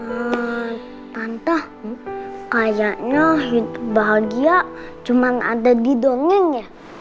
entah kayaknya hidup bahagia cuma ada di dongengnya